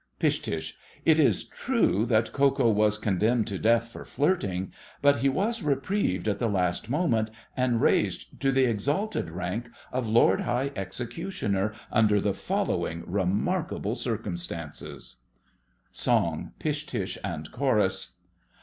PISH. It is true that Ko Ko was condemned to death for flirting, but he was reprieved at the last moment, and raised to the exalted rank of Lord High Executioner under the following remarkable circumstances: SONG—PISH TUSH and CHORUS.